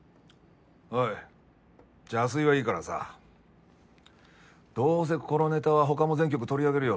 おい邪推はいいからさどうせこのネタは他も全局取り上げるよ。